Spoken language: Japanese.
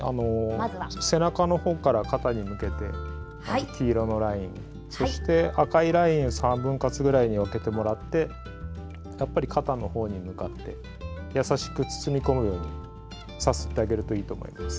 背中のほうから肩に向けて黄色のライン、そして赤いラインを３分割くらいに分けてもらって肩のほうに向かって優しく包み込むようにさすってあげるといいと思います。